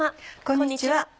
こんにちは。